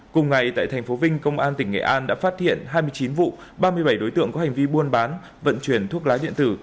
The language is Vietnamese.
cùng ngày tại thành phố vinh công an tỉnh nghệ an đã phát hiện hai mươi chín vụ ba mươi bảy đối tượng có hành vi buôn bán vận chuyển thuốc lá điện tử